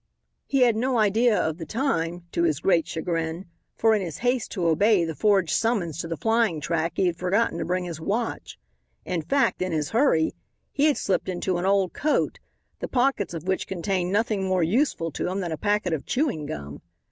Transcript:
He had no idea of the time, to his great chagrin, for in his haste to obey the forged summons to the flying track he had forgotten to bring his watch. In fact, in his hurry, he had slipped into an old coat, the pockets of which contained nothing more useful to him than a packet of chewing gum.